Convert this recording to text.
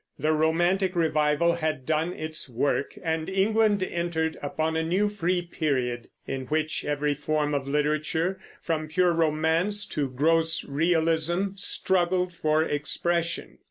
The romantic revival had done its work, and England entered upon a new free period, in which every form of literature, from pure romance to gross realism, struggled for expression.